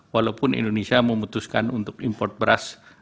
walaupun indonesia memutuskan untuk import beras